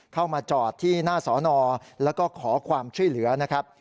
เข้ามาจอดที่หน้าสอนอแล้วก็ขอความช่วยเหลือนะครับ